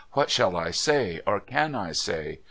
What shall I say, or can I say